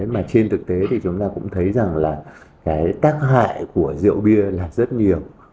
mà trên thực tế thì chúng ta cũng thấy rằng là cái tác hại của rượu bia là rất nhiều